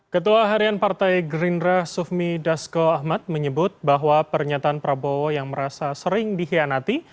ketua harian partai gerindra sufmi dasko ahmad menyebut bahwa pernyataan prabowo yang merasa sering dihianati